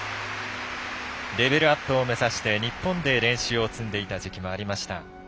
レベルアップを目指して日本で練習を積んでいた時期もありました。